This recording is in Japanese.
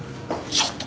ちょっと。